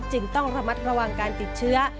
ต้องระมัดระวังการติดเชื้อ